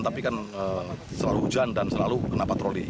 tapi kan selalu hujan dan selalu kena patroli